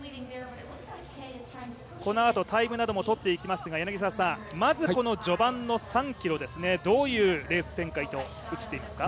このあとタイムなども取っていきますが、まずこの序盤の３ｋｍですねどういうレース展開に映っていますか。